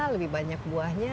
lebih banyak buahnya